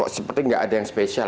seperti nggak ada yang spesial